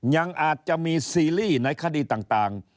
ยังอาจจะมีซีรีส์ในคดีต่าง